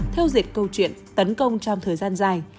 theo diệt câu chuyện tấn công trong thời gian dài